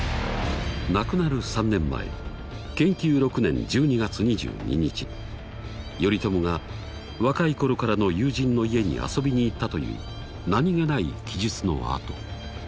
亡くなる３年前建久６年１２月２２日頼朝が若い頃からの友人の家に遊びに行ったという何気ない記述のあと。